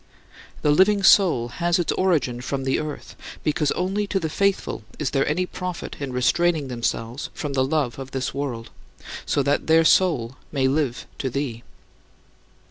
"The living soul" has its origin from "the earth," because only to the faithful is there any profit in restraining themselves from the love of this world, so that their soul may live to thee.